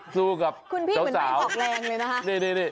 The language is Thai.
สู้กับเจ้าสาวคุณพี่เหมือนไปกรอกแรงเลยนะคะ